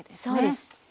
そうです。